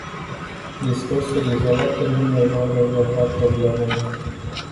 Discursuri izolate nu ne vor rezolva problemele.